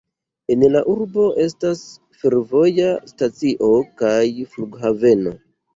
En la urbo estas fervoja stacio kaj flughaveno.